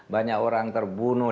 banyak orang terbunuh